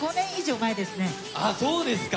あっ、そうですか。